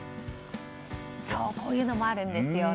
こういうのもあるんですよね。